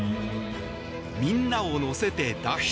みんなを乗せて脱出！